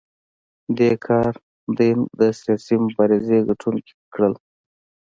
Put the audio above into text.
دې کار دینګ د سیاسي مبارزې ګټونکي کړل.